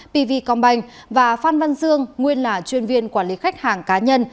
pv combine và phan văn dương nguyên là chuyên viên quản lý khách hàng cá nhân